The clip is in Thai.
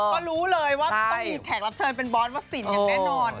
ก็รู้เลยว่าต้องมีแขกรับเชิญเป็นบอสวัสสินอย่างแน่นอน